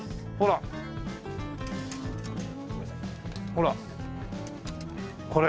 ほらこれ？